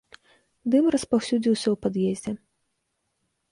Дым распаўсюдзіўся ў пад'ездзе.